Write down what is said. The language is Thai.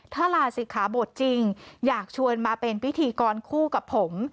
ถ้าลาศิกขาบทจริงอยากชวนมาเป็นพิธีกรคู่กับผม